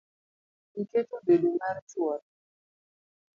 Iketo bedo mar chwore.